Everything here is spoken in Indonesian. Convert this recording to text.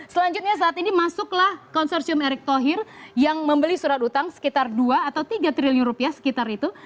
selanjutnya saat ini masuklah konsorsium erick thohir yang membeli surat utang sekitar dua atau tiga triliun rupiah sekitar itu